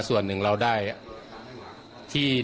ส่วนหนึ่งเราได้ที่